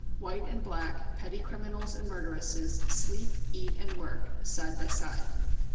White and black, petty criminals and murderesses sleep, eat and work, side by side.